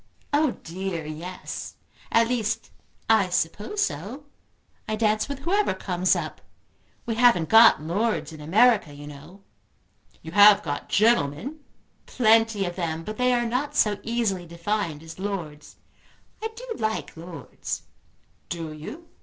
"Oh dear yes. At least I suppose so. I dance with whoever comes up. We haven't got lords in America, you know!" "You have got gentlemen?" "Plenty of them; but they are not so easily defined as lords. I do like lords." "Do you?"